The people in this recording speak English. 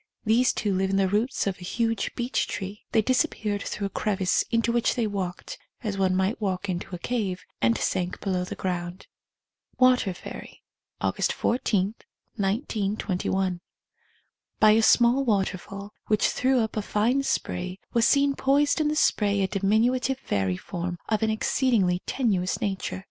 These two live in the roots of a huge beech tree — they disappeared through a crevice into which they walked (as one might walk into a cave) and sank below the ground. Water Fairy. (August 14, 1921.) By a small waterfall, which threw up a fine spray, was seen poised in the spray a diminutive fairy form of an exceedingly tenuous nature.